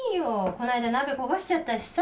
この間鍋焦がしちゃったしさ。